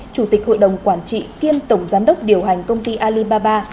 chủ tịch hội đồng quản trị kiêm tổng giám đốc điều hành công ty alibaba